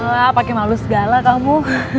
wah pakai malu segala kamu